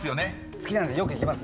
好きなんでよく行きます。